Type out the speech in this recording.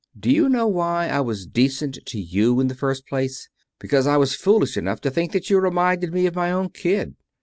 Do you know why I was decent to you in the first place? Because I was foolish enough to think that you reminded me of my own kid.